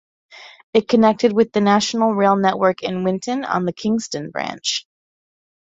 It connected with the national rail network in Winton on the Kingston Branch.